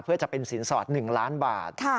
เพื่อจะเป็นสินสอด๑ล้านบาท